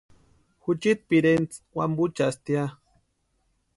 Juchiti pirentsï wampuchastia.